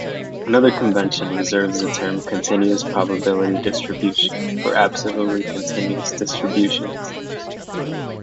Another convention reserves the term "continuous probability distribution" for absolutely continuous distributions.